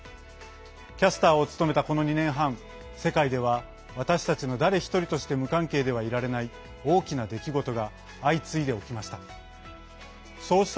キャスターを務めた、この２年半世界では私たちの誰一人として無関係ではいられない大きな出来事が相次いで起きました。